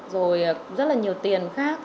rồi rất là nhiều tiền khác